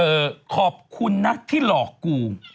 ขอบคุณนะที่หลอกกู